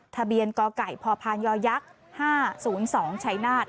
ทะเบียนกกพยย๕๐๒ชายนาฏ